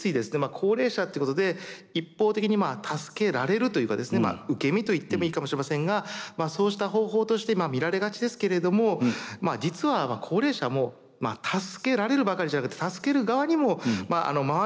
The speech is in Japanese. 高齢者っていうことで一方的に助けられるというかですね受け身と言ってもいいかもしれませんがそうした方法として見られがちですけれども実は高齢者も助けられるばかりじゃなくて助ける側にも回ることができると。